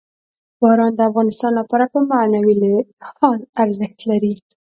باران د افغانانو لپاره په معنوي لحاظ ارزښت لري.